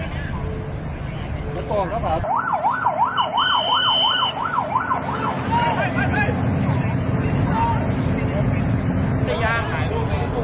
หายที่เดียวจบหายผู้เกิดซื้อ